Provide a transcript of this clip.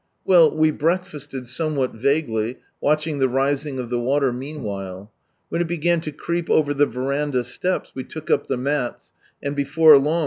Well, we breakfasted somewhat vaguely, watching the rising of the water mean while. When it began to creep over the verandah steps, we took up the mats, and before long